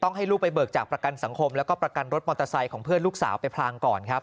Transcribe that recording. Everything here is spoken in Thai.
ให้ลูกไปเบิกจากประกันสังคมแล้วก็ประกันรถมอเตอร์ไซค์ของเพื่อนลูกสาวไปพลางก่อนครับ